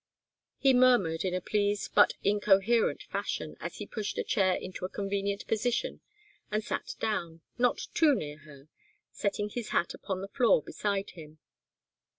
He murmured in a pleased but incoherent fashion as he pushed a chair into a convenient position and sat down not too near her setting his hat upon the floor beside him.